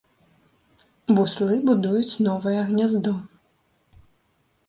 Буслы будуюць новае гняздо.